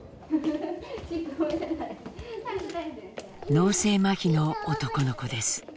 脳性まひの男の子です。